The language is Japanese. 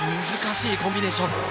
難しいコンビネーション。